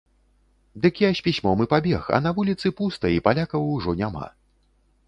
Дык я з пісьмом і пабег, а на вуліцы пуста і палякаў ужо няма.